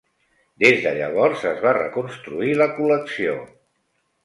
Des de llavors es va reconstruir la col·lecció.